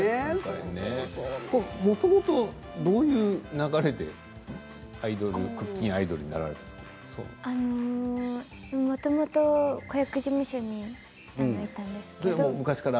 もともと、どういう流れで「クッキンアイドル」にもともと子役事務所にいたんですけど。